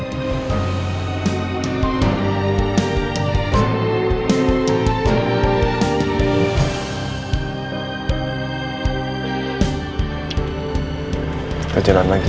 kita jalan lagi ya